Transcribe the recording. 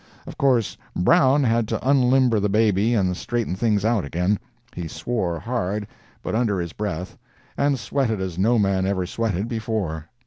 Of course, Brown had to unlimber the baby and straighten things out again. He swore hard, but under his breath, and sweated as no man ever sweated before.